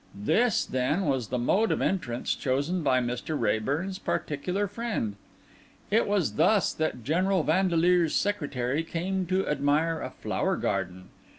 This, then, was the mode of entrance chosen by Mr. Raeburn's particular friend! It was thus that General Vandeleur's secretary came to admire a flower garden!